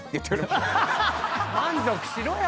満足しろよ！